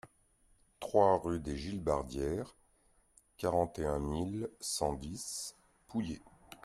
trois rue des Gilbardières, quarante et un mille cent dix Pouillé